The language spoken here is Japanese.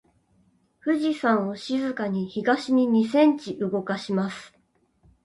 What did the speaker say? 富士山を静かに東に二センチ動かします。